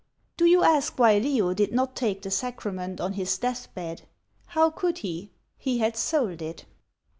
"Do you ask why Leo did not take the sacrament on his death bed? How could he? He had sold it!"